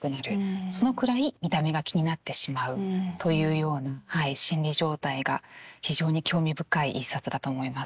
そのくらい見た目が気になってしまうというような心理状態が非常に興味深い一冊だと思います。